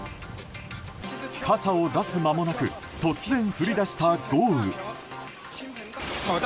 傘を出すまもなく突然降り出した豪雨。